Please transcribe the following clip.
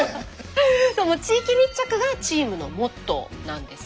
地域密着がチームのモットーなんですね。